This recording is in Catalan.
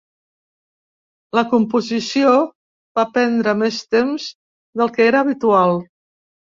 La composició va prendre més temps del que era habitual.